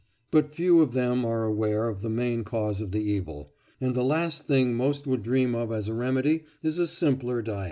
But few of them are aware of the main cause of the evil, and the last thing most would dream of as a remedy is a simpler diet."